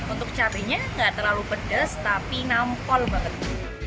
untuk cabainya nggak terlalu pedas tapi nampol banget